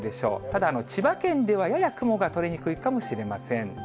ただ、千葉県ではやや雲が取れにくいかもしれません。